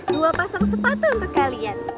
dua pasang sepatu untuk kalian